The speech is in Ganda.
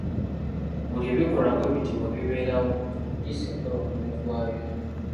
Buli ebikolwa bwe biti bwe bibeerawo, poliisi ekola omulimu gwayo.